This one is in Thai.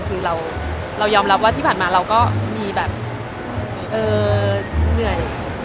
คือเรายอมรับว่าที่ผ่านมาเราก็มีแบบเหนื่อย